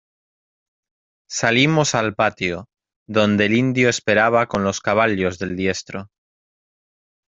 salimos al patio, donde el indio esperaba con los caballos del diestro: